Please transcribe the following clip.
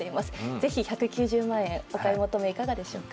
ぜひ１９０万円、お買い求めいかがでしょうか？